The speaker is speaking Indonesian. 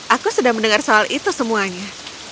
aku sudah mendengar soal itu semuanya